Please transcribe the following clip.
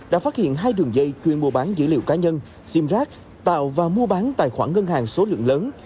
đã phát hiện hai đường dây chuyên mua bán dữ liệu cá nhân sim rác tạo và mua bán tài khoản ngân hàng số lượng lớn